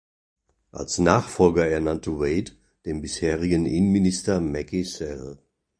Als Nachfolger ernannte Wade den bisherigen Innenminister Macky Sall.